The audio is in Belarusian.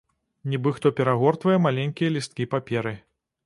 Нібы хто перагортвае маленькія лісткі паперы.